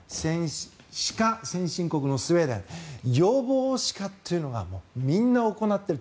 歯科先進国のスウェーデン予防歯科というのはみんな行っている。